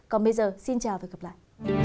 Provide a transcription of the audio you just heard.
còn bây giờ xin chào và hẹn gặp lại